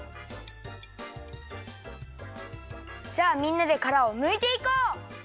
じゃあみんなでからをむいていこう！